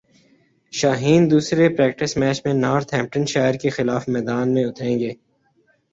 شاہین دوسرے practice match میں Northamptonshire کیخلاف میدان میں اتریں گے